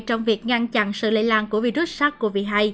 trong việc ngăn chặn sự lây lan của virus sars cov hai